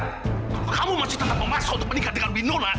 kalau kamu masih tetap memasuk untuk menikah dengan binona